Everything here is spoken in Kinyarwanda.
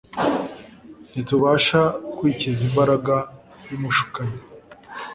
Ntitubasha kwikiza imbaraga y’umushukanyi;